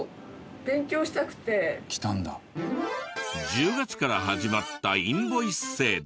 １０月から始まったインボイス制度。